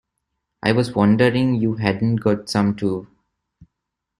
I was wondering you hadn’t got some too.